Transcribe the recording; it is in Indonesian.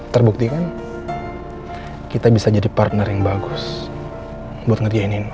terbuktikan kita bisa jadi partner yang bagus buat ngerjain nino